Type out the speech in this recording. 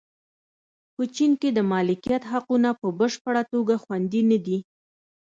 په چین کې د مالکیت حقونه په بشپړه توګه خوندي نه دي.